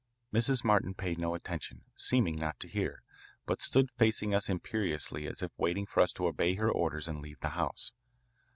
Mrs. Martin paid no attention, seemed not to hear, but stood facing us imperiously as if waiting for us to obey her orders and leave the house.